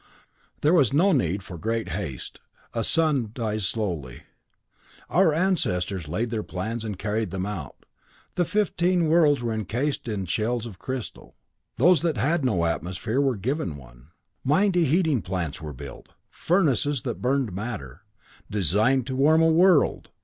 There was no need for great haste; a sun dies slowly. Our ancestors laid their plans and carried them out. The fifteen worlds were encased in shells of crystal. Those that had no atmosphere were given one. Mighty heating plants were built furnaces that burned matter, designed to warm a world!